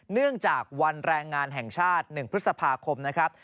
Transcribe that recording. เนื่องจากวันแรงงานแห่งชาติ๑พฤษภาคมนะครับ